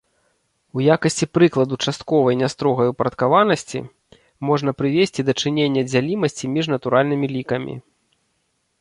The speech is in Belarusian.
У якасці прыкладу частковай нястрогай упарадкаванасці можна прывесці дачыненне дзялімасці між натуральнымі лікамі.